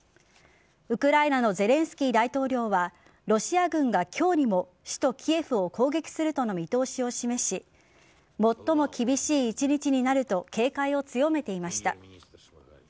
ウクライナのゼレンスキー大統領はロシア軍が今日にも首都・キエフを攻撃するとの見通しを示し最も厳しい１日になると警戒を強めていました。